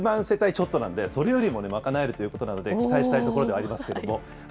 世帯ちょっとなんで、それよりも賄えるということなので、期待したいところではありますけれども。